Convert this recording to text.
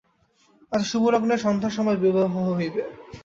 আজ শুভলগ্নে সন্ধ্যার সময়ে বিবাহ হইবে।